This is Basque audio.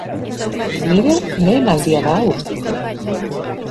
Nire lehen aldia da hau!